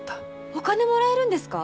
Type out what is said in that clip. お金もらえるんですか？